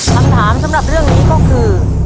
คำถามสำหรับเรื่องนี้ก็คือ